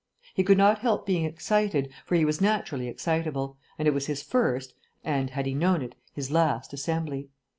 He could not help being excited, for he was naturally excitable, and it was his first (and, had he known it, his last) Assembly.